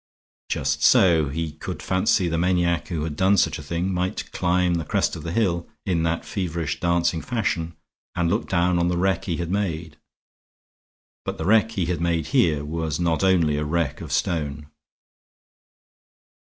Just so, he could fancy, the maniac who had done such a thing might climb the crest of the hill, in that feverish dancing fashion, and look down on the wreck he had made. But the wreck he had made here was not only a wreck of stone.